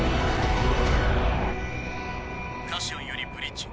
カシオンよりブリッジ。